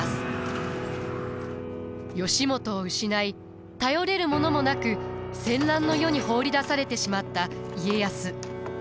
義元を失い頼れるものもなく戦乱の世に放り出されてしまった家康。